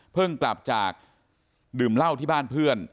เพิ่งกลับจากดื่มเล่าที่บ้านเพื่อน